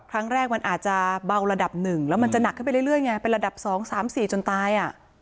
ครั้งแรกมันอาจจะเบาระดับหนึ่งแล้วมันจะหนักขึ้นไปเรื่อยไงเป็นระดับ๒๓๔จนตาย